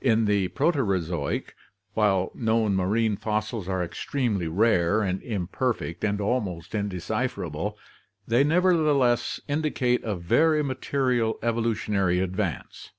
In the Proterozoic, while known marine fossils are extremely rare and imperfect and almost indecipherable, they nevertheless indicate a very material evolutionary advance.